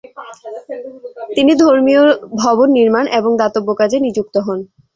তিনি ধর্মীয় ভবন নির্মাণ এবং দাতব্য কাজে নিযুক্ত হন।